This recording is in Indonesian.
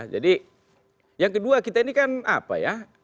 jadi yang kedua kita ini kan apa ya